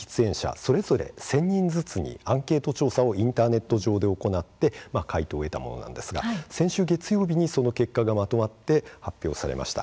それぞれ１０００人ずつにアンケート調査をインターネット上で行って回答を得たものですが先週、月曜日にその結果がまとまって発表されました。